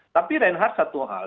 tapi reinhardt satu hal